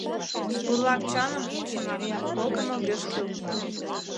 Бурлак чаным, чынак, волтымо огеш кӱл.